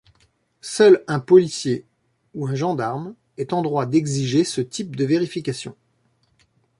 Seul un policier ou un gendarme est en droit d’exiger ce type de vérification.